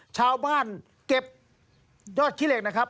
ชาวบ้านเก็บยอดขี้เหล็กนะครับ